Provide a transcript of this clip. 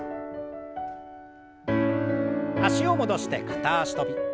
脚を戻して片脚跳び。